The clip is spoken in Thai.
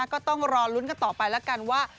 ก็ต้องรอลุ้นกันต่อไปแล้วกันว่า